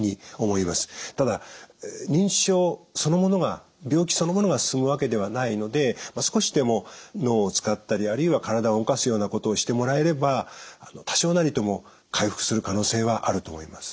ただ認知症そのものが病気そのものが進むわけではないので少しでも脳を使ったりあるいは体を動かすようなことをしてもらえれば多少なりとも回復する可能性はあると思います。